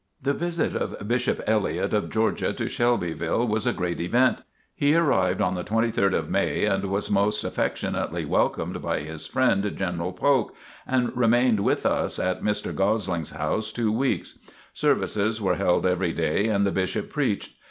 The visit of Bishop Elliott, of Georgia, to Shelbyville was a great event. He arrived on the 23rd of May and was most affectionately welcomed by his friend General Polk, and remained with us at Mr. Gosling's house two weeks. Services were held every day and the Bishop preached.